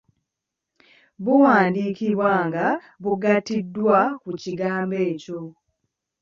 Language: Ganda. Buwandiikibwa nga bugattiddwa ku kigambo ekyo.